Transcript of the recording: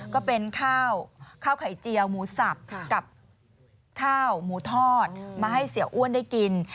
ก็เป็นข้าวไข่เจียวหมูสับกับข้าวหมูทอดมาให้เสียอ้วนได้กิน